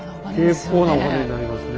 結構なお金になりますね。